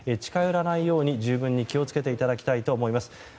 近寄らないように十分に気を付けていただきたいと思います。